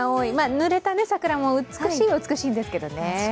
ぬれた桜も美しいは美しいんですけどもね。